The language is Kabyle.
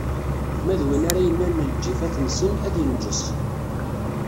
Ma d win ara yennalen lǧifat-nsen, ad inǧes.